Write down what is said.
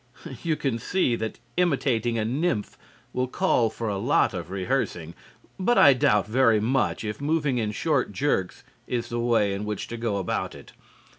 You can see that imitating a nymph will call for a lot of rehearsing, but I doubt very much if moving in short jerks is the way in which to go about it.